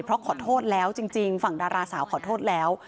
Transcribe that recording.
เพราะขอโทษแล้วจริงฝั่งดาราสาวขอโทษแล้ว